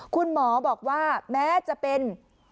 คุณหมอบอกว่าแม้จะเป็น